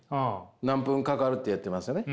何分かかるって言ってますよね。